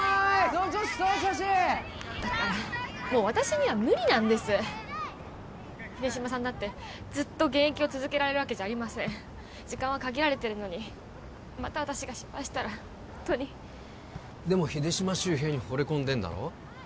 その調子その調子だからもう私には無理なんです秀島さんだってずっと現役を続けられるわけじゃありません時間は限られてるのにまた私が失敗したらホントにでも秀島修平にほれ込んでんだろ？